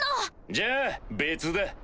じゃあ別だ。